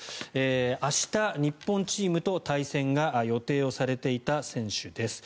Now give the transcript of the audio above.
明日、日本チームと対戦が予定されていた選手です。